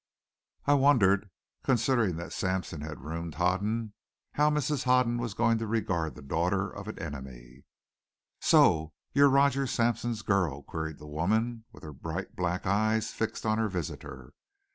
I wondered, considering that Sampson had ruined Hoden, how Mrs. Hoden was going to regard the daughter of an enemy. "So you're Roger Sampson's girl?" queried the woman, with her bright black eyes fixed on her visitor.